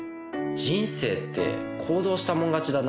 人生って行動したもん勝ちだなって。